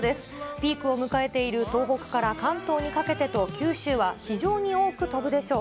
ピークを迎えている東北から関東にかけてと九州は非常に多く飛ぶでしょう。